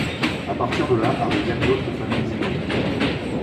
À partir de là arrivèrent d'autres familles immigrées.